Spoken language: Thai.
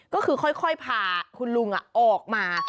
ก็คือค่อยพาคุณลุงออกมา